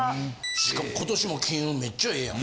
しかも今年も金運めっちゃええやん。